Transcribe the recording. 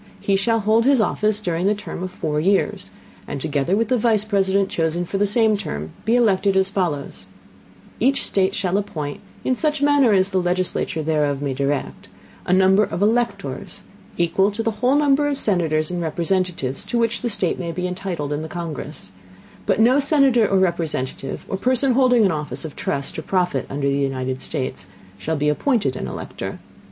He shall hold his Office during the Term of four Years, and, together with the Vice President chosen for the same Term, be elected, as follows: Each State shall appoint, in such Manner as the Legislature thereof may direct, a Number of Electors, equal to the whole Number of Senators and Representatives to which the State may be entitled in the Congress: but no Senator or Representative, or Person holding an Office of Trust or Profit under the United States, shall be appointed an Elector.